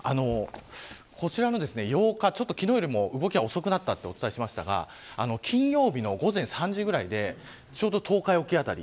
こちらの８日昨日よりも動きが遅くなったとお伝えしましたが金曜日の午前３時ぐらいでちょうど東海沖辺り。